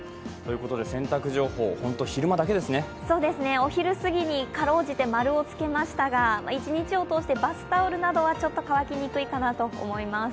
洗濯情報、ホント昼間だけですねお昼すぎにかろうじて○をつけましたが、一日を通してバスタオルなどはちょっと乾きにくいかなと思います。